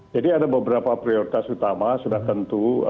jadi ada beberapa prioritas utama sudah tentu